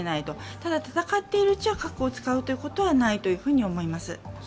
ただ戦っているうちは核を使うことはないと思います。